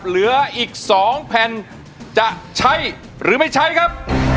เหลืออีก๒แผ่นจะใช้หรือไม่ใช้ครับ